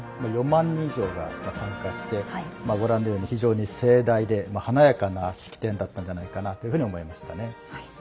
４万人以上が参加してご覧のように、非常に盛大で華やかな式典だったんじゃないかなというふうに思いましたね。